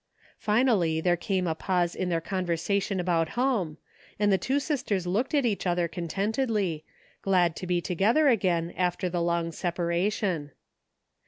Finally there came a pause in their conversation about home and the two sisters looked at each other contentedly, glad to be together again after the long separation.